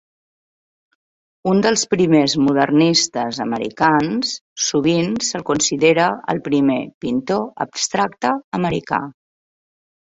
Un dels primers modernistes americans, sovint se'l considera el primer pintor abstracte americà.